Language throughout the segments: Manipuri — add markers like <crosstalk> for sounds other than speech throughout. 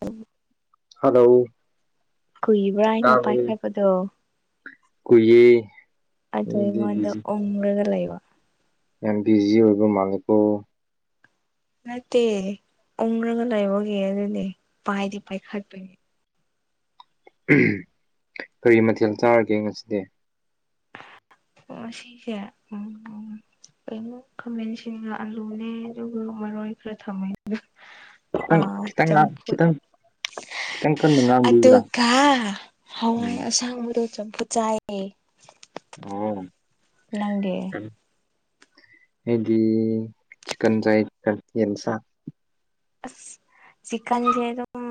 INAUDIBLE ꯍꯥꯂꯣ ꯀꯨꯏꯕ꯭ꯔꯥ ꯑꯩꯅ ꯄꯥꯏꯈꯠꯄꯗꯣ ꯀꯨꯏꯌꯦ ꯑꯗꯨ ꯃꯤꯗꯤ ꯑꯩꯉꯣꯟꯗ ꯎꯪꯔꯒ ꯂꯩꯕ ꯅꯪꯗꯤ ꯌꯤ ꯑꯣꯏꯕ ꯃꯥꯜꯂꯥꯕꯣ ꯅꯠꯇꯦ ꯎꯪꯔꯒ ꯂꯩꯕꯒꯤ ꯑꯗꯨꯅꯦ ꯄꯥꯏꯗꯤ ꯄꯥꯏꯈꯠꯄꯒꯤ ꯎꯝ ꯀꯔꯤ ꯃꯊꯦꯜ ꯆꯥꯔꯒꯦ ꯉꯁꯤꯗꯤ ꯉꯁꯤꯖꯦ ꯎꯝꯎꯝ ꯀꯩꯅꯣ ꯈꯥꯃꯦꯟꯁꯤꯟꯒ ꯑꯂꯨꯅꯦ ꯑꯗꯨꯒ ꯃꯔꯣꯏ ꯈꯔ ꯊꯝꯃꯦ ꯑꯗꯨꯒ ꯈꯤꯇꯪ ꯑꯥꯑ ꯈꯤꯇꯪ ꯆꯝꯐꯨꯠ ꯈꯤꯇꯪ ꯈꯤꯇꯪ ꯀꯟꯅ ꯉꯥꯡꯕꯤꯕ꯭ꯔꯥ ꯑꯗꯨꯒꯥꯑ ꯍꯋꯥꯏ ꯎꯝ ꯑꯁꯥꯡꯕꯗꯣ ꯆꯝꯐꯨꯠ ꯆꯥꯏ ꯑꯦ ꯑꯣꯑꯣꯡ ꯅꯪꯗꯤ ꯎꯪ ꯑꯩꯗꯤꯏ ꯆꯤꯛꯀꯟ ꯆꯥꯏꯌꯦ ꯌꯦꯟꯁꯥ ꯑꯥꯁ ꯆꯤꯛꯀꯟꯖꯦ ꯑꯗꯨꯝ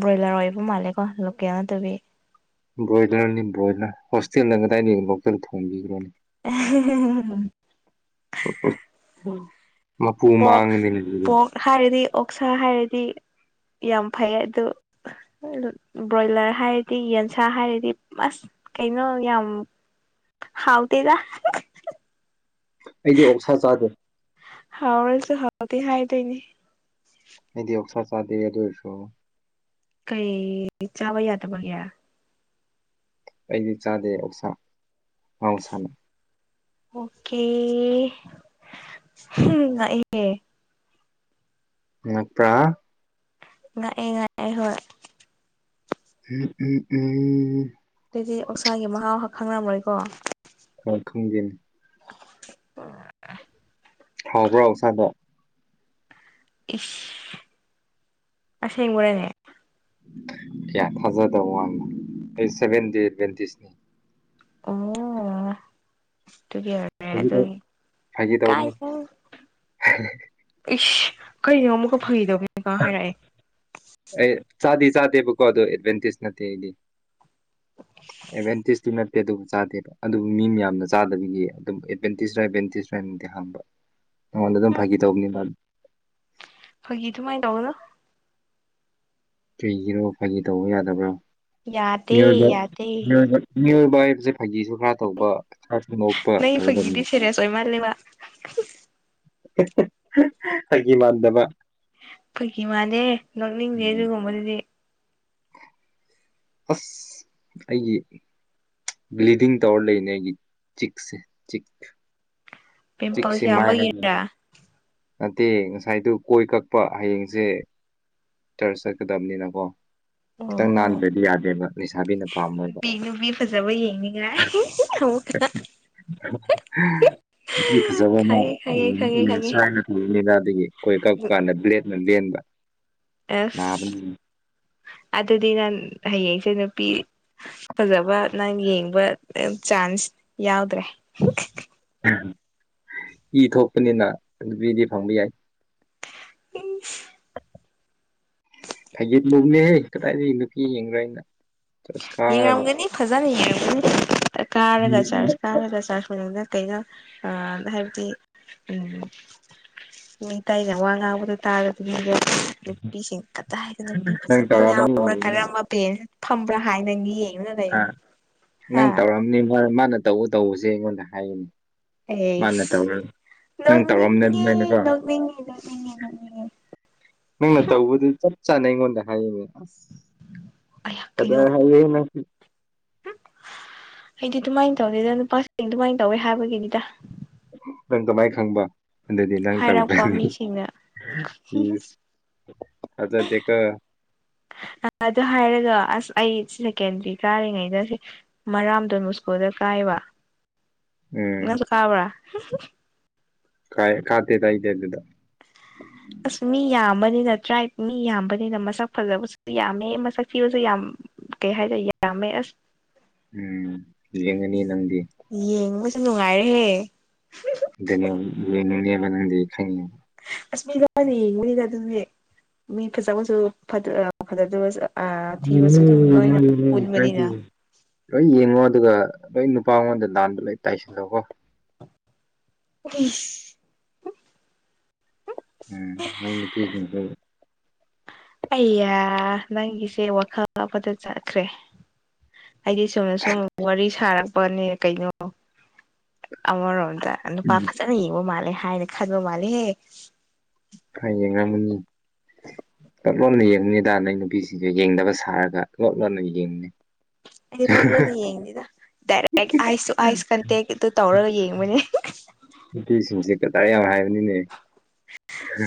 ꯕ꯭ꯔꯣꯏꯂꯔ ꯑꯣꯏꯕ ꯃꯥꯜꯂꯦꯀꯣ ꯂꯣꯀꯦꯜ ꯅꯠꯇꯕꯤ ꯕ꯭ꯔꯣꯏꯂꯔꯅꯤ ꯕ꯭ꯔꯣꯏꯂꯔ ꯍꯣꯁꯇꯦꯜꯗ ꯀꯗꯥꯏꯗꯒꯤ ꯂꯣꯛꯀꯦꯜ ꯊꯣꯡꯕꯤꯒ꯭ꯔꯅꯦ ꯑꯍꯦ ꯍꯦ ꯍꯣꯏ INAUDIBLE ꯄꯣꯛ ꯄꯣꯛ ꯍꯥꯏꯔꯗꯤ ꯑꯣꯛꯁꯥ ꯍꯥꯏꯔꯗꯤ ꯌꯥꯝ ꯐꯩꯌꯦ ꯑꯗꯨ ꯕ꯭ꯔꯣꯏꯂꯔ ꯍꯥꯏꯔꯗꯤ ꯌꯦꯟꯁꯥ ꯍꯥꯏꯔꯗꯤ ꯃꯁ ꯀꯩꯅꯣ ꯌꯥꯝ ꯍꯥꯎꯇꯦꯗꯥ ꯑꯩꯗꯤ ꯑꯣꯛꯁꯥ ꯆꯥꯗꯦ ꯍꯥꯎꯔꯁꯨ ꯍꯥꯎꯇꯦ ꯍꯥꯏꯗꯣꯏꯅꯦ ꯑꯩꯗꯤ ꯑꯣꯛꯁꯥ ꯆꯥꯗꯦ ꯑꯗꯨ ꯑꯣꯏꯔꯁꯨ ꯀꯩ ꯆꯥꯕ ꯌꯥꯗꯕꯒꯤ ꯑꯩꯗꯤ ꯆꯥꯗꯦ ꯑꯣꯛꯁꯥ ꯃꯍꯧꯁꯥꯅꯦ ꯑꯣꯀꯦ ꯍꯨꯝ ꯉꯛꯑꯦ ꯉꯛꯄ꯭ꯔꯥ ꯉꯛꯑꯦ ꯉꯛꯑꯦ ꯍꯣꯏ ꯎꯝ ꯎꯝ ꯎꯝ ꯑꯗꯨꯗꯤ ꯑꯣꯛꯁꯥꯒꯤ ꯃꯍꯥꯎ ꯍꯛ ꯈꯪꯉꯝꯃꯣꯏꯀꯣ ꯑꯝ ꯈꯪꯗꯦ ꯍꯥꯎꯕ꯭ꯔꯣ ꯑꯣꯛꯁꯥꯗꯣ ꯏꯁ ꯑꯁꯦꯡꯕꯔꯅꯦ ꯀꯌꯥ ꯊꯥꯖꯗꯕ ꯋꯥꯅꯤꯗ <unintelligible> <unintelligible> ꯑꯣ ꯑꯗꯨꯒꯤ ꯑꯦ ꯑꯗꯨꯒꯤ ꯐꯥꯒꯤ ꯇꯧꯕꯅꯤ ꯀꯥꯢꯗꯦ ꯏꯁ ꯀꯔꯤꯅꯣ ꯑꯃꯨꯛꯀ ꯐꯥꯒꯤ ꯇꯧꯕꯅꯤ ꯍꯥꯏꯔꯛꯑꯦ ꯑꯩ ꯆꯥꯗꯦ ꯆꯥꯗꯦꯕꯀꯣ ꯑꯗꯨ ꯑꯦꯗꯚꯦꯟꯇꯦꯖ ꯅꯠꯇꯦ ꯑꯩꯗꯤ ꯏꯚꯦꯟꯇꯤꯁꯒꯤ ꯅꯠ ꯇꯦ ꯑꯗꯨꯕꯨ ꯆꯥꯗꯦꯕ ꯑꯗꯨꯕꯨ ꯃꯤ ꯃꯌꯥꯝꯅ ꯆꯥꯗꯕꯤꯒꯤ ꯑꯗꯨꯝ ꯑꯦꯗꯚꯦꯟꯇꯦꯖ ꯔ ꯑꯦꯗꯚꯦꯟꯇꯦꯖꯔꯥ ꯑꯗꯨꯝꯗꯤ ꯍꯪꯕ ꯅꯪꯉꯣꯟꯗ ꯑꯗꯨꯝ ꯐꯥꯒꯤ ꯇꯧꯕꯅꯤꯗ ꯐꯥꯒꯤ ꯑꯗꯨꯨꯃꯥꯏꯅ ꯇꯧꯒꯅꯣ ꯀꯩꯒꯤꯅꯣ ꯐꯒꯤ ꯇꯧꯕ ꯌꯥꯗꯕ꯭ꯔꯣ ꯌꯥꯗꯦ ꯃꯤꯑꯣꯏꯕ ꯌꯥꯗꯦ ꯃꯤꯑꯣꯢꯕ ꯃꯤꯑꯣꯏꯕ ꯍꯥꯏꯕꯁꯦ ꯐꯥꯒꯤꯁꯨ ꯈꯔ ꯇꯧꯕ ꯒꯔꯁꯨ ꯅꯣꯛ ꯅꯪꯒꯤ ꯐꯥꯒꯤꯗꯤ ꯁꯦꯔꯤꯁ ꯑꯣꯏ ꯃꯥꯜꯂꯦꯕ ꯐꯥꯒꯤ ꯃꯥꯟꯗꯕ ꯐꯩꯒꯤ ꯃꯥꯜꯗꯦ ꯅꯣꯛꯅꯤꯡꯗꯦ ꯎꯝ ꯑꯗꯨꯒꯨꯝꯕꯗꯨꯗꯤ ꯑꯁ ꯑꯩꯒꯤ ꯕ꯭ꯂꯤꯗꯤꯡ ꯇꯧꯔ ꯂꯩꯅꯦ ꯑꯩꯒꯤ ꯆꯤꯛꯁꯦ ꯆꯤꯛ ꯆꯤꯛꯁꯤ ꯄꯤꯝꯄꯜꯁ ꯃꯥꯏ ꯍꯥꯏꯗꯅ ꯌꯥꯝꯕꯒꯤꯔꯥ ꯅꯠꯇꯦ ꯉꯁꯥꯏꯗꯨ ꯀꯣꯏ ꯀꯛꯄ ꯍꯌꯦꯡꯁꯦ ꯆꯥꯔꯆ ꯆꯠꯀꯗꯕꯅꯤꯅꯀꯣ ꯈꯤꯇꯪ ꯑꯣ ꯅꯥꯟꯗ꯭ꯔꯗꯤ ꯌꯥꯗꯦꯕ ꯂꯩꯁꯥꯕꯤꯅ ꯄꯥꯝꯃꯣꯏꯕ <unintelligible> ꯐꯖꯕ ꯌꯦꯡꯅꯤ ꯍꯝ <unintelligible> ꯐꯖꯕ ꯑꯃ ꯈꯪꯉꯦ ꯈꯪꯉꯦ ꯎꯝ ꯈꯪꯉꯦ ꯈꯪꯉꯦ <unintelligible> ꯃꯦꯂꯥꯗꯒꯤ ꯀꯣꯢ ꯀꯥꯛꯄꯒꯥꯟꯗ ꯕ꯭ꯂꯦꯠ ꯅ ꯂꯦꯜꯕ ꯑꯦꯁ ꯑꯗꯨꯗꯤ ꯅꯪ ꯍꯌꯦꯡꯁꯦ ꯅꯨꯄꯤ ꯐꯖꯕ ꯅꯪ ꯌꯦꯡꯕ ꯆꯥꯟꯁ ꯌꯥꯎꯗ꯭ꯔꯦ ꯏ ꯊꯣꯛꯄꯅꯤꯅ ꯅꯨꯄꯤꯗꯤ ꯐꯪꯕ ꯌꯥꯏ ꯢꯁ ꯐꯥꯒꯤ ꯑꯧꯕꯅꯤꯍꯦ ꯀꯗꯥꯏꯗꯒꯤ ꯅꯨꯄꯤ ꯌꯦꯡꯒꯦꯔꯥ ꯌꯦꯡꯉꯝꯒꯅꯤ ꯐꯖꯅ ꯌꯦꯡꯉꯝꯒꯅꯤ ꯀꯥꯔꯒ ꯆꯥꯔꯆ ꯀꯥꯔꯒ ꯆꯥꯔꯆ ꯈꯨꯡꯒꯪꯗ ꯀꯩꯅꯣ ꯑꯥ ꯍꯥꯏꯕꯗꯤ ꯎꯝ ꯃꯤ ꯑꯇꯥꯏꯅ ꯋꯥ ꯉꯥꯡꯕꯗꯨ ꯇꯥꯔ <unintelligible> ꯅꯨꯄꯤꯁꯤꯡ ꯀꯗꯥꯢꯗ ꯅꯨꯄꯤ ꯅꯪ ꯐꯖꯕ ꯌꯥꯎꯕ꯭ꯔꯥ ꯇꯧꯔꯝꯅꯤ ꯀꯔꯝꯕ ꯄꯦꯁ ꯐꯝꯕ꯭ꯔꯥ ꯍꯥꯏꯅ ꯌꯦꯡꯉ ꯑ ꯅꯪ ꯇꯧꯔꯝꯅꯤ ꯃꯥ ꯃꯥꯅ ꯇꯧ ꯇꯧꯕꯁꯦ ꯑꯩꯉꯣꯟꯗ ꯍꯥꯏꯒꯅꯤ ꯑꯦꯁ ꯇꯧꯔꯝꯅꯤ ꯅꯣꯛꯅꯤꯡꯉꯦ ꯑꯗꯨꯃꯥꯏꯅꯀꯣ ꯅꯣꯛꯅꯤꯡꯉꯦ ꯅꯣꯛꯅꯤꯡ ꯑꯩꯖꯨꯅꯦ ꯅꯣꯛꯅꯤꯡꯉꯦ ꯅꯪꯅ ꯇꯧꯕꯗꯨ ꯆꯞ ꯆꯥꯅ ꯑꯩꯉꯣꯟꯗ ꯍꯥꯏꯌꯦꯅꯦ ꯑꯩꯌꯥ ꯀꯗ꯭ꯔ ꯀꯩꯅꯣ ꯍꯩꯌꯦ ꯅꯪꯗꯤ ꯑꯩꯗꯤ ꯑꯗꯨꯃꯥꯏꯟ ꯇꯧꯅꯤꯗ ꯅꯨꯄꯥꯁꯤ ꯑꯗꯨꯃꯥꯏꯟ ꯇꯧꯋꯦ ꯍꯥꯏꯕꯒꯤꯅꯤꯗꯥ ꯅꯪ ꯀꯃꯥꯏ ꯈꯪꯕ ꯑꯗꯨꯗꯤ ꯅꯪ ꯍꯥꯏꯔꯛꯄ ꯇꯧꯗꯥꯏꯅꯦ ꯃꯤꯁꯤꯡꯅ ꯏꯁ ꯊꯥꯖꯗꯦꯀꯣ ꯑꯗꯨ ꯍꯥꯏꯔꯒ ꯑꯁ ꯑꯩ ꯁꯦꯀꯦꯟꯗ꯭ꯔꯤ ꯀꯥꯔꯤꯉꯩꯗꯁꯦ ꯃꯔꯥꯝ ꯗꯣꯟ ꯃꯨꯁꯀꯣꯗ ꯀꯥꯏꯕ ꯎꯝ ꯅꯪꯁꯨ ꯀꯥꯕ꯭ꯔꯥ ꯀꯥꯏ ꯀꯥꯗꯦꯗꯥ ꯑꯩꯗꯤ ꯑꯗꯨꯗ ꯑꯁ ꯃꯤ ꯌꯥꯝꯕꯅꯤꯅ ꯇ꯭ꯔꯥꯏꯞ ꯃꯤ ꯌꯥꯝꯕꯅꯤꯅ ꯃꯁꯛ ꯐꯖꯕꯁꯨ ꯌꯥꯝꯃꯦ ꯃꯁꯛ ꯊꯤꯕꯁꯨ ꯌꯥꯝ ꯀꯩ ꯍꯥꯏꯇꯥꯏ ꯌꯥꯝꯃꯦ ꯑꯁ ꯎꯝ ꯌꯦꯡꯉꯅꯤ ꯅꯪꯗꯤ ꯌꯦꯡꯕꯁꯨ ꯅꯨꯡꯉꯥꯏꯔꯦꯍꯦ ꯑꯗꯨꯅꯦ ꯌꯦꯡꯉꯒ ꯅꯪꯗꯤ ꯈꯪꯉꯦ ꯑꯁ ꯃꯤꯗꯅꯤ ꯃꯤꯗ ꯑꯗꯨꯅꯦ ꯃꯤ ꯐꯖꯕꯁꯨ ꯑꯥ ꯐꯖꯗꯕꯁꯨ ꯑꯥ ꯊꯤꯕꯁꯨ ꯑꯗꯨꯝ ꯌꯦꯡꯉꯣ ꯂꯣꯏꯅ ꯌꯦꯡꯉꯣ ꯀꯥꯏꯗꯦ ꯄꯨꯟꯕꯅꯤꯅ ꯂꯣꯏ ꯌꯦꯡꯉꯣ ꯑꯗꯨꯒ ꯂꯣꯏ ꯅꯨꯄꯥ ꯑꯩꯉꯣꯟꯗ ꯂꯥꯟꯕ ꯂꯣꯏ ꯇꯥꯏꯁꯤꯜꯂꯣꯀꯣ ꯒꯤꯁ ꯎꯝ ꯅꯣꯏ ꯅꯨꯄꯤ ꯁꯤꯡꯁꯨ ꯑꯩꯌꯥ ꯅꯪꯒꯤꯁꯦ ꯋꯥꯈꯜ ꯑꯃꯗ ꯆꯠꯈ꯭ꯔꯦ ꯑꯩꯗꯤ ꯆꯨꯝꯅ ꯁꯨꯝ ꯋꯥꯔꯤ ꯁꯥꯔꯛꯄꯅꯦ ꯀꯩꯅꯣ ꯑꯃꯔꯣꯝꯗ ꯅꯨꯄꯥ ꯐꯠ ꯎꯝ ꯐꯖꯅ ꯌꯦꯡꯕ ꯃꯥꯜꯂꯦ ꯍꯥꯏꯅ ꯈꯟꯕ ꯃꯥꯜꯂꯦꯍꯦ ꯐꯌꯦꯡꯉꯝꯃꯅꯤ ꯂꯣꯠ ꯂꯣꯟꯅ ꯌꯦꯡꯕꯅꯤꯗꯥ ꯅꯣꯏ ꯅꯨꯄꯤꯁꯤꯡꯁꯦ ꯌꯦꯡꯗꯕ ꯁꯥꯔꯒ ꯂꯣꯠ ꯂꯣꯟꯅ ꯌꯦꯡꯕꯅꯤ ꯑꯩꯗꯤ ꯂꯣꯠ ꯂꯣꯠꯅ ꯌꯦꯡꯗꯦꯗꯥ ꯗꯥꯏꯔꯦꯛ ꯑꯥꯏꯁ ꯁꯨ ꯑꯥꯏꯁ ꯀꯟꯇꯦꯛ ꯑꯗꯨ ꯇꯧꯔꯒ ꯌꯦꯡꯕꯅꯦ ꯅꯨꯄꯤꯁꯤꯡꯁꯦ ꯀꯗꯔ ꯌꯥꯝ ꯍꯥꯏꯕꯅꯤꯅꯦ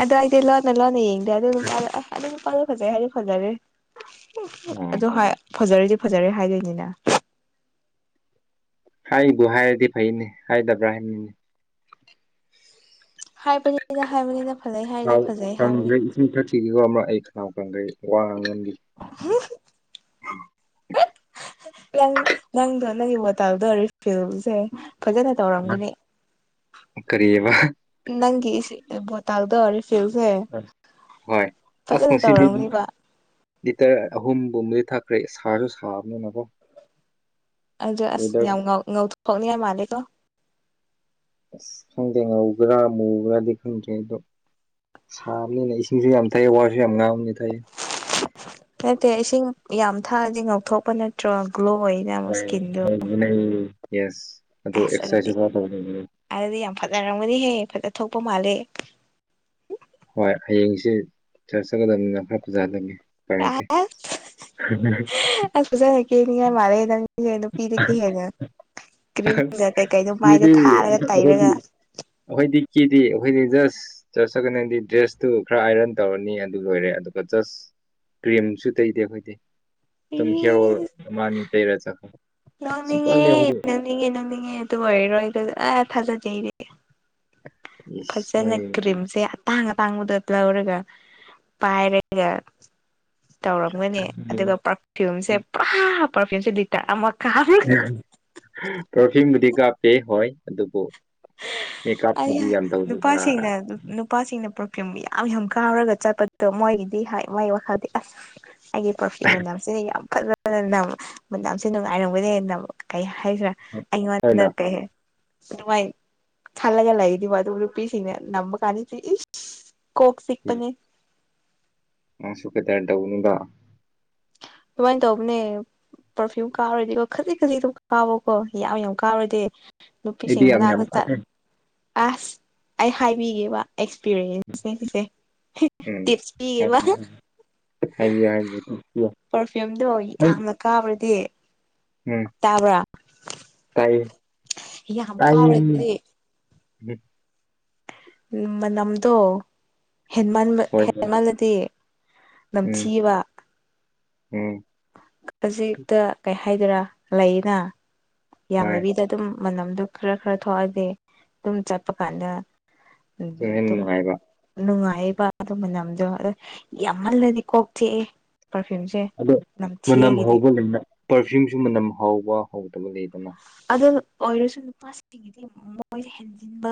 ꯑꯗꯣ ꯑꯩꯗꯤ ꯂꯣꯟꯅ ꯂꯣꯟꯅ ꯌꯦꯡꯗꯦ ꯑꯗꯨ ꯅꯨꯄꯥꯗꯣ ꯑꯁ ꯑꯗꯨ ꯅꯨꯄꯥꯗꯣ ꯐꯖꯩ ꯍꯥꯏꯗꯤ ꯐꯖꯔꯦ ꯑ ꯑꯗꯨ ꯍꯥꯏ ꯐꯖꯔꯗꯤ ꯐꯖꯔꯦ ꯍꯥꯏꯗꯣꯏꯅꯤꯅ ꯍꯥꯏꯕꯨ ꯍꯥꯏꯔꯗꯤ ꯐꯩꯅꯦ ꯍꯥꯏꯗꯕ꯭ꯔꯥ ꯍꯥꯏꯝꯅꯤꯅꯦ ꯍꯥꯏꯕꯅꯤꯗꯥ ꯍꯥꯏꯕꯅꯤꯗꯥ ꯐꯖꯩ ꯍꯥꯏꯗꯤ ꯐꯖꯩ ꯍꯥꯏꯕꯅꯤ ꯊꯤꯔꯛꯈꯤꯒꯦꯀꯣ ꯑꯃꯛ ꯑꯩ ꯈꯅꯥꯎ ꯀꯪꯒꯩ ꯋꯥ ꯉꯥꯡꯉꯤ <unintelligible> <inaudible> ꯅꯪ ꯅꯪꯗꯣ ꯅꯪꯒꯤ ꯋꯥ ꯇꯥꯎꯗꯣꯔꯤ ꯐ꯭ꯌꯜꯁꯦ ꯐꯖꯅ ꯇꯧꯔꯝꯒꯅꯤ ꯀꯔꯤꯕ ꯅꯪꯒꯤ ꯁꯤ ꯚꯣꯇꯥꯜꯗꯣ ꯆꯦꯜꯁꯦ ꯍꯣꯏ ꯑꯁ ꯐꯖꯅ ꯉꯁꯤꯗꯤ ꯇꯧꯔꯝꯃꯅꯤꯕꯥ ꯂꯤꯇꯔ ꯑꯍꯨꯝꯒꯨꯝꯕꯗꯤ ꯊꯛꯈ꯭ꯔꯦ ꯁꯥꯔꯁꯨ ꯁꯥꯕꯅꯤꯅꯀꯣ ꯑꯗꯣ ꯑꯁ ꯋꯦꯗꯔ ꯌꯥꯝ ꯉꯧ ꯉꯧꯊꯣꯛꯅꯤꯉꯥꯏ ꯃꯥꯜꯂꯦꯀꯣ ꯑꯁ ꯈꯪꯗꯦ ꯉꯧꯕ꯭ꯔꯥ ꯃꯨꯕ꯭ꯔꯥꯗꯤ ꯈꯪꯗ꯭ꯔꯦ ꯑꯗꯣ ꯁꯥꯕꯅꯤꯅ ꯏꯁꯤꯡꯁꯨ ꯌꯥꯝ ꯊꯛꯑꯦ ꯋꯥꯁꯨ ꯌꯥꯝ ꯉꯥꯡꯕꯅꯤꯅ ꯊꯡꯑꯦ ꯅꯠꯇꯦ ꯏꯁꯤꯡ ꯌꯥꯝ ꯊꯛꯑꯗꯤ ꯉꯧꯊꯣꯛꯄ ꯅꯠꯇ꯭ꯔꯣ ꯒ꯭ꯂꯣ ꯑꯣꯏ <unintelligible> ꯌꯦꯁ ꯑꯗꯨ ꯑꯁ ꯑꯗꯨꯗꯤ ꯑꯦꯛꯁꯔꯁꯥꯏꯖꯁꯨ ꯈꯔ ꯇꯧꯅꯤꯡꯉꯤ ꯑꯗꯨꯗꯤ ꯌꯥꯝ ꯐꯖꯔꯝꯒꯅꯤꯍꯦ ꯐꯖ ꯊꯣꯛꯄ ꯃꯥꯜꯂꯦ ꯍꯣꯏ ꯍꯌꯦꯡꯁꯦ ꯆ꯭ꯔꯁ ꯆꯠꯀꯗꯕꯅꯤꯅ ꯈꯔ ꯐꯖꯍꯜꯂꯒꯦ ꯎꯄꯥꯏ ꯂꯩꯇꯦ ꯑꯁ ꯑꯁ ꯐꯖꯅ ꯀꯦꯅꯤꯡꯉ ꯃꯥꯜꯂꯦ ꯅꯪ ꯅꯨꯄꯤꯗꯒꯤ ꯍꯦꯟꯅ ꯀ꯭ꯔꯤꯝꯒ ꯀꯩꯀꯩꯗꯣ ꯃꯥꯏꯗ ꯀꯤꯗꯤ ꯊꯥꯔꯒ ꯇꯩꯔꯒ ꯑꯥꯈꯣꯏꯗꯤ ꯀꯦꯗꯤ ꯑꯥꯈꯣꯏꯗꯤ ꯖꯁ ꯆꯠ ꯆꯠꯀꯅꯦꯗꯤ ꯗ꯭ꯔꯦꯁꯇꯨ ꯈꯔ ꯑꯥꯏꯔꯟ ꯇꯧꯔꯅꯤ ꯑꯗꯨ ꯂꯣꯏꯔꯦ ꯑꯗꯨꯒ ꯖꯠꯁ ꯀ꯭ꯔꯤꯝꯁꯨ ꯇꯩꯗꯦ ꯑꯩꯈꯣꯏꯗꯤ ꯗꯨꯝ ꯍꯤꯌꯔ ꯑꯣꯏꯜ ꯏꯁ ꯑꯃꯅꯤ ꯇꯩꯔ ꯆꯠꯈ꯭ꯔ ꯂꯥꯛꯅꯤꯡꯉꯦ <unintelligible> ꯑꯗꯨ ꯑꯣꯏꯔꯔꯣꯏꯗ ꯑꯥ ꯊꯥꯖꯗꯦ ꯑꯩꯗꯤ ꯏꯁ ꯐꯖꯅ ꯅꯣꯏ ꯀ꯭ꯔꯤꯝꯁꯦ ꯑꯇꯥꯡ ꯑꯇꯥꯡꯕꯗ ꯂꯧꯔꯒ ꯄꯥꯏꯔꯒ ꯇꯧꯔꯝꯒꯅꯤ ꯑꯗꯨꯒ ꯄꯔꯐ꯭ꯌꯨꯝꯁꯦ ꯄꯨꯔꯥ ꯄꯔꯐ꯭ꯌꯨꯝꯁꯦ ꯂꯤꯇꯔ ꯑꯃ ꯀꯥꯞ ꯄꯔꯐ꯭ꯌꯨꯝꯕꯨꯗꯤ ꯀꯥꯞꯄꯦ ꯍꯣꯏ ꯑꯗꯨꯕꯨ ꯃꯦꯛꯀꯞꯄꯨꯗꯤ ꯑꯩꯌꯥ ꯌꯥꯝ ꯇꯧꯗꯦꯗ ꯅꯨꯄꯥꯁꯤꯡꯅ ꯅꯨꯄꯥꯁꯤꯡꯅ ꯄ꯭ꯔꯐ꯭ꯌꯨꯝ ꯌꯥꯝ ꯌꯥꯝ ꯀꯥꯞꯔꯒ ꯆꯠꯄꯗꯣ ꯃꯣꯏꯒꯤꯗꯤ ꯍꯥꯏ ꯃꯥꯏ ꯋꯥꯈꯜꯗꯤ ꯑꯁ ꯑꯩꯒꯤ ꯄꯔꯐ꯭ꯌꯨꯝ ꯃꯅꯝꯁꯦ ꯌꯥꯝ ꯐꯖꯅ ꯅꯝ ꯃꯅꯝꯁꯦ ꯅꯨꯡꯉꯥꯏꯔꯝꯒꯅꯤ ꯀꯩ ꯍꯥꯏꯁꯤꯔꯥ ꯑꯩꯉꯣꯟꯗ ꯍꯣꯏꯅ ꯀꯩ ꯑꯗꯨꯃꯥꯏ ꯈꯜꯂꯒ ꯂꯩꯗꯤꯕ ꯑꯗꯨ ꯅꯨꯄꯤꯁꯤꯡꯅꯦ ꯅꯝꯕ ꯀꯥꯟꯗꯗꯤ ꯏꯁ ꯀꯣꯛ ꯆꯤꯛꯄꯅꯦ ꯅꯪꯁꯨ ꯀꯗꯔ ꯇꯧꯒꯅꯨꯗ ꯗꯨꯃꯥꯏ ꯇꯧꯕꯅꯦ ꯄꯔꯐ꯭ꯌꯨꯝ ꯀꯥꯞꯔꯗꯤꯀꯣ ꯈꯖꯤꯛ ꯈꯖꯤꯛ ꯗꯨꯝ ꯀꯥꯞꯄꯣꯀꯣ ꯌꯥꯝ ꯌꯥꯝ ꯀꯥꯞꯔꯗꯤ ꯑꯩꯗꯤ ꯅꯨꯄꯤꯁꯤꯡ ꯌꯥꯝ ꯌꯥꯝ ꯃꯅꯥꯛꯇ ꯆꯠ ꯀꯥꯞꯄꯦ ꯑꯁ ꯑꯩ ꯍꯥꯏꯕꯤꯒꯦꯕ ꯑꯦꯛꯁꯄꯤꯔꯤꯌꯦꯟꯁ ꯁꯤꯡꯁꯦ <unintelligible> ꯍꯥꯏꯕꯤꯌꯣ <unintelligible> ꯄꯔꯐ꯭ꯌꯨꯝꯗꯣ ꯌꯥꯝꯅ ꯀꯥꯞꯔꯗꯤ ꯎꯝ ꯇꯥꯏꯌꯦ ꯌꯥꯝ ꯇꯥꯏꯌꯦꯃꯤ ꯀꯥꯞꯔꯗꯤ ꯎꯝ ꯃꯅꯝꯗꯣ ꯍꯦꯟꯃꯟꯕ ꯍꯣꯏ ꯍꯣꯏ ꯍꯦꯟꯃꯜꯂꯗꯤ ꯎꯝ ꯅꯝꯊꯤꯕ ꯎꯝ ꯈꯖꯤꯛꯇ ꯀꯩ ꯍꯥꯏꯗꯣꯏꯔꯥ ꯂꯩꯅ ꯍꯣꯏ ꯌꯥꯝꯅꯕꯤꯗ ꯑꯗꯨꯝ ꯃꯅꯝꯗꯣ ꯈꯔ ꯈꯔ ꯊꯣꯛꯑꯗꯤ ꯑꯗꯨꯝ ꯆꯠꯄ ꯀꯥꯟꯗ ꯑꯗꯨꯅ <unintelligible> ꯍꯦꯟꯅ ꯅꯨꯡꯉꯥꯏꯕ ꯅꯨꯡꯉꯥꯏꯕ ꯑꯗꯨ ꯃꯅꯝꯗꯣ ꯌꯥꯝꯃꯜꯂꯗꯤ ꯀꯣꯛ ꯆꯤꯛꯑꯦ ꯄꯔꯐ꯭ꯌꯨꯝꯁꯦ ꯑꯗꯣ ꯅꯝꯊꯤ ꯃꯅꯝ ꯑꯩꯒꯤꯗꯤ ꯍꯥꯎꯕ ꯂꯩꯅ ꯄꯔꯐ꯭ꯌꯨꯝꯁꯨ ꯃꯅꯝ ꯍꯥꯎꯕ ꯍꯥꯎꯇꯕ ꯂꯩꯗꯅ ꯑꯗꯨ ꯑꯣꯏꯔꯁꯨ ꯅꯨꯄꯥ ꯁꯤꯗꯤ ꯃꯣꯏꯁꯦ ꯍꯦꯟꯖꯤꯟꯕ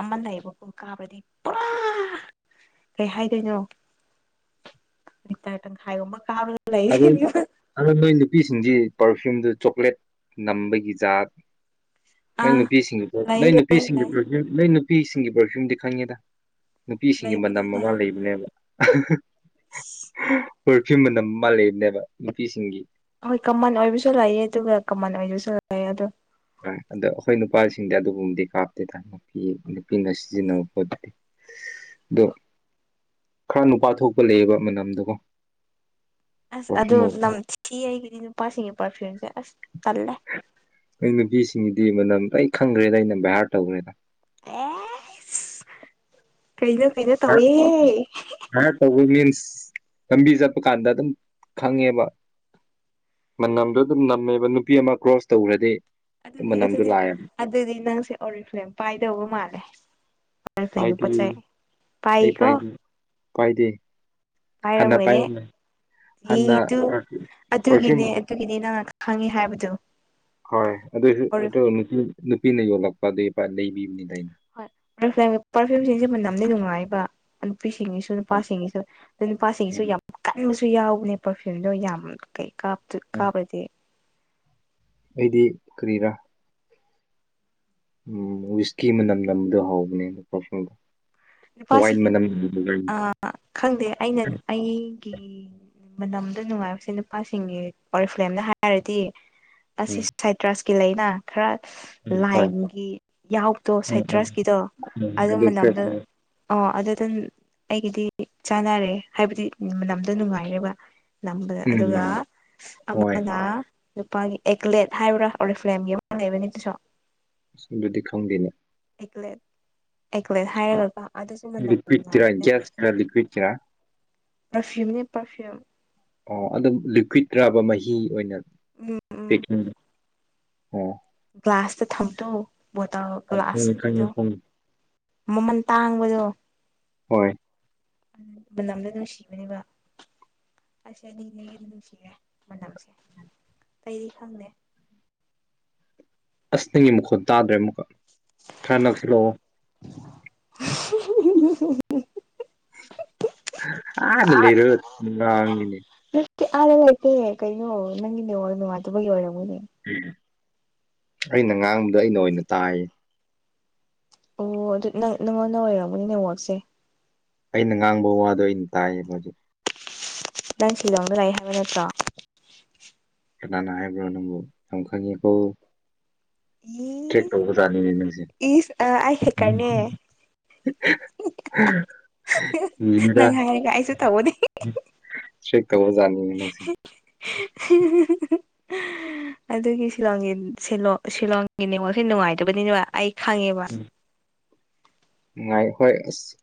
ꯑꯃ ꯂꯩꯌꯦꯕꯀꯣ ꯀꯥꯞꯔꯗꯤ ꯄꯨꯔꯥ ꯀꯩ ꯍꯥꯏꯗꯣꯏꯅꯣ ꯂꯤꯇꯔ ꯇꯪꯈꯥꯏꯒꯨꯝꯕ ꯀꯥꯞꯔꯒ ꯂꯩ ꯑꯗꯣ ꯑꯗꯣ ꯅꯣꯏ ꯅꯨꯄꯤꯁꯤꯡꯁꯤ ꯄꯔꯐ꯭ꯌꯨꯝꯗꯨ ꯆꯣꯀ꯭ꯂꯦꯠ ꯅꯝꯕꯒꯤ ꯖꯥꯠ ꯅꯣꯏ ꯑꯥ ꯅꯨꯄꯤꯁꯤꯡ ꯂꯩ ꯅꯣꯏ ꯂꯩ ꯅꯨꯄꯤꯁꯤꯡꯒꯤ ꯂꯩ <unintelligible> ꯅꯣꯏ ꯅꯨꯄꯤꯁꯤꯡꯒꯤ ꯄꯔꯐ꯭ꯌꯨꯝꯗꯤ ꯈꯪꯉꯦꯗ ꯅꯨꯄꯤꯁꯤꯡꯒꯤ ꯂꯩꯕꯗꯤ ꯃꯅꯝ ꯑꯃ ꯂꯩꯕꯅꯦꯕ ꯄꯔꯐ꯭ꯌꯨꯝ ꯃꯅꯝ ꯑꯃ ꯂꯩꯕꯅꯦꯕ ꯅꯨꯄꯤꯁꯤꯡꯒꯤ ꯍꯣꯏ ꯀꯃꯟ ꯑꯣꯏꯕꯁꯨ ꯂꯩꯌꯦ ꯑꯗꯨꯒ ꯀꯃꯟ ꯑꯣꯏꯗꯕꯁꯨ ꯂꯩꯌꯦ ꯑꯗꯨ ꯑꯗꯣ ꯑꯩꯈꯣꯏ ꯅꯨꯄꯥꯁꯤꯡꯗꯤ ꯑꯗꯨꯒꯨꯝꯕꯗꯤ ꯀꯥꯞꯇꯦꯗ ꯅꯨꯄꯤ ꯅꯨꯄꯤꯅ ꯁꯤꯖꯤꯟꯅꯕ ꯄꯣꯠꯇꯗꯤ ꯑꯗꯣ ꯈꯔ ꯅꯨꯄꯥ ꯊꯣꯛꯄ ꯂꯩꯌꯦꯕ ꯃꯅꯝꯗꯒꯣ ꯑꯁ ꯑꯗꯨꯣ ꯅꯝꯊꯤ ꯑꯩꯒꯤꯗꯤ ꯅꯨꯄꯥꯁꯤꯡꯒꯤ ꯄꯔꯐ꯭ꯤꯌꯨꯝꯁꯦ ꯑꯁ ꯆꯜꯂꯦ ꯑꯩ ꯅꯨꯄꯤꯁꯤꯡꯒꯤꯗꯤ ꯃꯅꯝ ꯂꯣꯏ ꯈꯪꯈ꯭ꯔꯦꯗ ꯑꯩꯅ ꯚꯦꯍꯥꯔ ꯇꯧꯈ꯭ꯔꯦꯗ ꯑꯦ ꯀꯩꯅꯣ ꯀꯩꯅꯣ ꯇꯧꯋꯦ ꯈꯔ ꯇꯧꯕ ꯃꯤꯟꯁ ꯂꯝꯕꯤ ꯆꯠꯄ ꯀꯥꯟꯗ ꯑꯗꯨꯝ ꯈꯪꯉꯦꯕ ꯃꯅꯝꯗꯨꯣ ꯑꯗꯨꯝ ꯅꯝꯃꯦꯕ ꯅꯨꯄꯤ ꯑꯃ ꯀ꯭ꯔꯣꯁ ꯇꯧꯈ꯭ꯔꯗꯤ ꯑꯗꯨꯗꯤ ꯃꯅꯝꯗꯣ ꯑꯗꯨꯗꯤ ꯂꯥꯛꯑꯦꯕ ꯑꯗꯨꯗꯤ ꯅꯪꯁꯦ ꯑꯣꯔꯦꯟ ꯐ꯭ꯂꯦꯝ ꯄꯥꯏꯗꯧꯕ ꯃꯥꯜꯂꯦ ꯍꯣꯜꯁꯦꯟꯒꯤ ꯄꯥꯏꯗꯦ ꯄꯣꯠꯆꯩ ꯄꯥꯏꯀꯣ ꯄꯥꯏꯗꯤ ꯍꯥꯟꯅ ꯄꯥꯏꯔꯝꯃꯦ ꯑꯦ ꯍꯥꯟꯅ ꯑꯗꯨ ꯄꯔꯐ꯭ꯌꯨꯝ ꯑꯗꯨꯒꯤꯅꯦ ꯑꯗꯨꯒꯤꯅꯦ ꯅꯪꯅ ꯈꯪꯉꯦ ꯍꯥꯏꯕꯗꯨ ꯍꯣꯏ ꯑꯗꯨꯁꯨ ꯑꯣꯔꯤ ꯑꯗꯨ ꯅꯨꯄꯤ ꯅꯨꯄꯤꯅ ꯌꯣꯜꯂꯛꯄ ꯑꯗꯨ ꯏꯄꯥ ꯂꯩꯕꯤꯕꯅꯤꯗ ꯑꯩꯅ ꯍꯣꯏ <unintelligible> ꯄꯔꯐ꯭ꯌꯨꯝꯁꯤꯡꯁꯦ ꯃꯅꯝꯗꯤ ꯅꯨꯡꯉꯥꯏꯑꯦꯕ ꯅꯨꯄꯤꯁꯤꯡꯒꯤꯁꯨ ꯅꯨꯄꯥꯁꯤꯡꯒꯤꯁꯨ ꯑꯗꯣ ꯅꯨꯄꯥꯁꯤꯡꯒꯤꯁꯨ ꯌꯥꯝ ꯀꯟꯕ ꯁꯨ ꯌꯥꯎꯕꯅꯦ ꯄꯔꯐ꯭ꯌꯨꯝꯗꯣ ꯌꯥꯝ ꯀꯩ ꯀꯥꯞꯇꯨꯏ ꯀꯥꯕꯒꯤ ꯑꯩꯗꯤ ꯀꯔꯤꯔꯥ ꯎꯝ ꯋꯤꯁꯀꯤ ꯃꯅꯝ ꯅꯝꯕꯗꯨꯣ ꯍꯧꯕꯅꯦꯅ ꯄꯔꯐ꯭ꯌꯨꯝ ꯋꯥꯏꯟ ꯃꯅꯝ <unintelligible> ꯑ ꯈꯪꯗꯦ ꯑꯩꯅ ꯑꯩꯒꯤ ꯃꯅꯝꯗ ꯅꯨꯡꯉꯥꯏꯕꯁꯦ ꯅꯨꯄꯥꯁꯤꯡꯒꯤ ꯑꯣꯔꯤꯐ꯭ꯂꯦꯝꯅ ꯍꯥꯏꯔꯗꯤ ꯑꯁꯤꯏ ꯁꯥꯏꯇ꯭ꯔꯁꯀꯤ ꯂꯩꯅ ꯈꯔ ꯍꯣꯏ ꯂꯥꯏꯝꯒꯤ ꯌꯥꯎꯗꯣ ꯁꯥꯏꯇ꯭ꯔꯁꯀꯤꯗꯣ ꯎꯝ ꯑꯗꯨ ꯃꯇꯝꯗ ꯈꯔ ꯑꯣ ꯑꯗꯨ ꯑꯗꯨꯝ ꯑꯩꯒꯤꯗꯤ ꯆꯥꯟꯅꯔꯦ ꯍꯥꯏꯕꯗꯤ ꯃꯅꯝꯗ ꯅꯨꯡꯉꯥꯏꯔꯦꯕ ꯅꯝꯕꯗ ꯑꯗꯨꯒ ꯎꯝ ꯍꯣꯏ ꯑꯃꯅ ꯅꯨꯨꯄꯥꯒꯤ ꯑꯦꯛꯂꯦꯠ ꯍꯥꯏꯕ꯭ꯔꯥ ꯑꯣꯔꯤꯐ꯭ꯂꯦꯝꯒꯤ ꯑꯃ ꯂꯩꯕꯅꯤ ꯑꯗꯨꯁꯨ ꯁꯤꯃꯗꯤ ꯈꯪꯗꯦꯅꯦ ꯑꯦꯛꯒꯔꯦꯠ ꯑꯦꯛꯒꯔꯦꯠ ꯍꯥꯏꯔꯒ ꯂꯤꯀ꯭ꯨꯠꯀꯤꯔ ꯒꯤꯌꯁꯀꯔ ꯂꯤꯀ꯭ꯨꯠꯀꯤꯔ ꯄꯔꯐꯤꯌꯨꯝꯅꯦ ꯄꯔꯐꯤꯌꯨꯝ ꯑꯣ ꯂꯤꯀ꯭ꯨꯠꯀꯤꯔ ꯃꯍꯤ ꯑꯣꯏꯅ ꯎꯝ ꯎꯝ ꯄꯦꯛꯀꯤꯡ ꯑꯣ ꯒ꯭ꯂꯥꯁꯇ ꯊꯝꯕꯗꯣ ꯕꯣꯇꯜ ꯑꯣ, ꯒ꯭ꯂꯥꯁ ꯈꯪꯉꯦ ꯈꯪꯉꯦ ꯀꯤꯗꯣ ꯈꯪꯉꯦ ꯃꯃꯜ ꯇꯥꯡꯕꯗꯣ ꯍꯣꯏ ꯃꯅꯝꯗꯨ ꯅꯨꯡꯁꯤꯕꯅꯦꯕ ꯑꯁ <unintelligible> ꯅꯨꯡꯁꯤꯔꯦ ꯃꯅꯝꯁꯦ ꯑꯇꯩꯗꯤ ꯈꯪꯗꯦ ꯑꯁ ꯅꯪꯒꯤ ꯃꯈꯣꯟ ꯇꯥꯗ꯭ꯔꯦ ꯑꯃꯨꯛꯀ ꯈꯔ ꯅꯛꯁꯤꯜꯂꯛꯑꯣ ꯑꯥꯗ ꯂꯩꯔꯒ ꯉꯥꯡꯢꯅꯦ ꯑꯦ ꯑꯥꯗ ꯂꯩꯇꯦ ꯀꯩꯅꯣ ꯅꯪꯒꯤ ꯅꯦꯠꯋꯥꯛ ꯅꯨꯡꯉꯥꯏꯇꯕꯒꯤ ꯑꯣꯏꯔꯝꯒꯅꯤ ꯎꯝ ꯑꯩꯅ ꯉꯥꯡꯕꯗꯣ ꯑꯩꯅ ꯑꯣꯏꯅ ꯇꯥꯏ ꯑꯣ ꯑꯗꯨ ꯅꯪ ꯅꯪꯉꯣꯟꯗ ꯑꯣꯏꯔꯝꯒꯅꯤ ꯅꯦꯠꯋꯥꯛꯁꯦ ꯑꯩꯅ ꯉꯥꯡꯕ ꯋꯥꯗꯣ ꯑꯩꯅ ꯇꯥꯏꯌꯦꯕ ꯍꯧꯖꯤꯛ ꯅꯪ ꯁꯤꯂꯣꯡꯗ ꯂꯥꯛꯏ ꯍꯥꯏꯕ ꯅꯠꯇ꯭ꯔꯣ ꯀꯅꯥ ꯍꯥꯏꯕ꯭ꯔꯣ ꯅꯪꯕꯨ ꯌꯥꯝ ꯈꯪꯢꯀꯣ ꯇ꯭ꯔꯦꯛ ꯏꯁ ꯇꯧꯕ ꯖꯥꯠꯅꯤꯅꯦ ꯅꯪꯁꯦ ꯏꯁ ꯑ ꯑꯩ ꯍꯦꯛꯀꯔꯅꯦ ꯅꯪ ꯍꯥꯏꯔꯒ ꯑꯩꯁꯨ ꯇꯧꯕꯅꯤ <inaudible> ꯆꯦꯛ ꯇꯧꯕꯖꯥꯠꯅꯤꯅꯦ ꯅꯪꯁꯦ <unintelligible> ꯑꯗꯨꯒꯤ ꯁꯤꯂꯣꯡꯒꯤ ꯁꯤꯂꯣ ꯁꯤꯂꯣꯡꯒꯤ ꯅꯦꯠꯋꯥꯛꯁꯦ ꯅꯨꯡꯉꯥꯏꯇꯕꯅꯤꯕ ꯑꯩ ꯈꯪꯉꯦꯕ ꯅꯨꯡꯉꯥꯏ ꯍꯣꯏ ꯑꯁ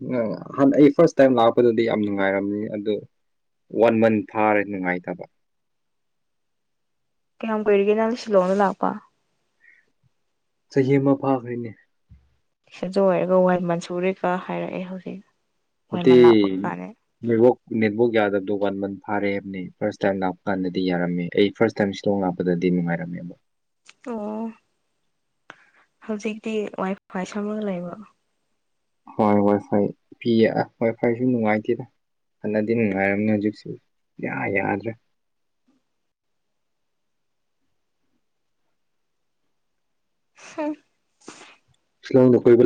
ꯍꯥꯟꯅ ꯑꯩ ꯐꯥ꯭ꯔꯁ ꯇꯥꯏꯝ ꯂꯥꯛꯄꯗꯗꯤ ꯌꯥꯝ ꯅꯨꯡꯉꯥꯏꯔꯝꯃꯤ ꯑꯗꯨ ꯋꯥꯟ ꯃꯟ ꯐꯥꯔꯦ ꯅꯨꯡꯉꯥꯏꯇꯕ ꯀꯌꯥꯝ ꯀꯨꯏꯔꯒꯦ ꯅꯪ ꯁꯤꯂꯣꯡꯗ ꯂꯥꯛꯄ ꯆꯍꯤ ꯑꯃ ꯐꯥꯈ꯭ꯔꯦꯅꯦ ꯑꯗꯨ ꯑꯣꯏꯔꯒ ꯋꯥꯟ ꯃꯟ ꯁꯨꯔꯦꯀ ꯍꯥꯏꯔꯛꯑꯦ ꯍꯧꯖꯤꯛ ꯅꯠꯇꯦ ꯋꯥꯏꯃꯜ ꯂꯥꯛꯄ ꯀꯥꯟꯗ ꯅꯦꯠꯋꯥꯛ ꯅꯦꯠꯋꯥꯛ ꯌꯥꯗꯕꯗꯣ ꯋꯥꯟ ꯃꯟ ꯐꯥꯔꯦ ꯍꯥꯏꯕꯅꯤ ꯐꯥꯔꯁ ꯇꯥꯏꯝ ꯂꯥꯛꯄ ꯀꯥꯟꯗꯗꯤ ꯌꯥꯔꯝꯃꯦ ꯑꯩ ꯐꯥꯔꯁ ꯇꯥꯏꯝ ꯁꯤꯂꯣꯡ ꯂꯥꯛꯄꯗꯗꯤ ꯅꯨꯡꯉꯥꯏꯔꯝꯃꯦꯕ ꯑꯣ ꯍꯧꯖꯤꯛꯇꯤ ꯋꯥꯏ ꯐꯥꯏ ꯁꯝꯃꯒ ꯂꯩꯕ꯭ꯔꯣ ꯍꯣꯏ ꯋꯥꯏ ꯐꯥꯏ ꯄꯤꯌꯦ ꯑꯥ ꯋꯥꯏ ꯐꯥꯏꯁꯨ ꯅꯨꯡꯉꯥꯏꯇꯦꯗ ꯍꯥꯟꯅꯗꯤ ꯅꯨꯡꯉꯥꯏꯔꯝꯅꯤ ꯍꯧꯖꯤꯛ ꯁꯨꯌꯥ ꯌꯥꯗ꯭ꯔꯦ ꯍꯨꯡ ꯁꯤꯂꯣꯡꯗ ꯀꯣꯏꯕ ꯂꯥꯛꯑꯣ